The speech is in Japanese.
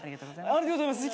ありがとうございます。